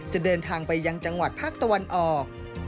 เดินทางไปยังจังหวัดภาคตะวันออก